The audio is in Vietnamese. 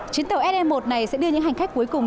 chiến tàu sn một này sẽ đưa những hành khách cuối cùng